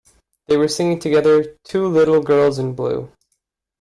They were singing together “Two Little Girls in Blue”.